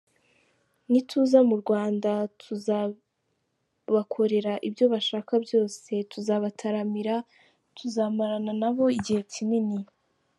Nituza mu Rwanda tuzabakorera ibyo bashaka byose; tuzabataramira, tuzamarana nabo igihe kinini.